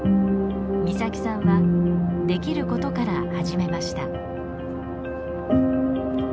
岬さんはできることから始めました。